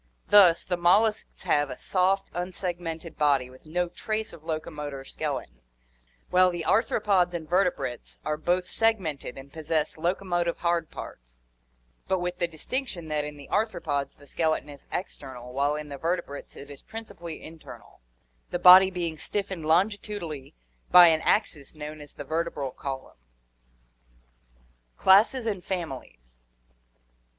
Thus, the molluscs have a soft, unsegmented body with no trace of locomotor skeleton, while the arthropods and vertebrates are both segmented and possess locomotive hard parts, but with the distinc tion that in the arthropods the skeleton is external while in the vertebrates it is principally internal, the body being stiffened longitudinally by an axis known as the vertebral column. Classes and Families.